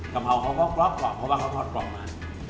กะเพราเขาก็กรอบเพราะว่าเขาทอดกรอบมัน